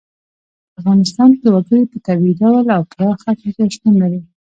په افغانستان کې وګړي په طبیعي ډول او پراخه کچه شتون لري.